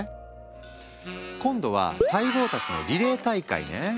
今度は細胞たちのリレー大会ね。